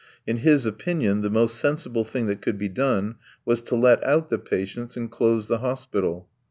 In his opinion the most sensible thing that could be done was to let out the patients and close the hospital.